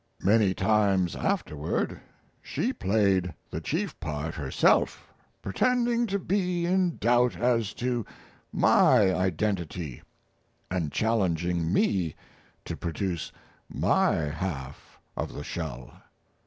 Many times afterward she played the chief part herself, pretending to be in doubt as to my identity and challenging me to produce my half of the shell.